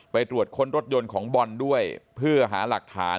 ตรวจค้นรถยนต์ของบอลด้วยเพื่อหาหลักฐาน